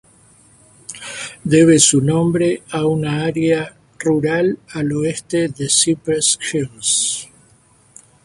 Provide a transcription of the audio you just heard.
Debe su nombre a una área rural al oeste de Cypress Hills.